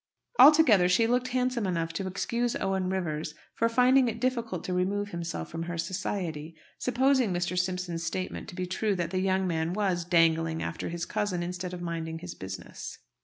Altogether, she looked handsome enough to excuse Owen Rivers for finding it difficult to remove himself from her society, supposing Mr. Simpson's statement to be true that the young man was "dangling after his cousin instead of minding his business."